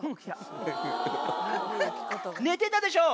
寝てたでしょ！